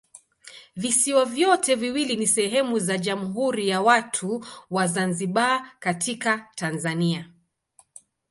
Visiwa vyote viwili ni sehemu za Jamhuri ya Watu wa Zanzibar katika Tanzania.